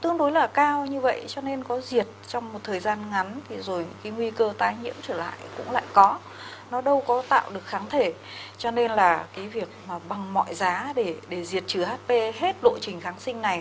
nó đâu có tạo được kháng thể cho nên là cái việc bằng mọi giá để diệt trừ hp hết lộ trình kháng sinh này